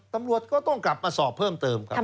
ตำรวจก็ต้องกลับมาสอบเพิ่มเติมครับ